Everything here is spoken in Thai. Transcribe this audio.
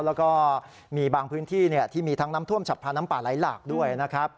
แล้วก็มีบางพื้นที่ที่มีทั้งน้ำท่วมฉับพันธ์น้ำป่าไหลหลากด้วยนะครับ